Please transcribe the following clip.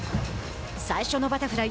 最初のバタフライ。